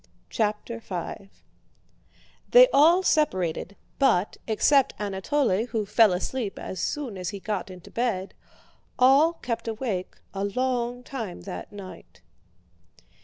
CHAPTER V They all separated, but, except Anatole who fell asleep as soon as he got into bed, all kept awake a long time that night.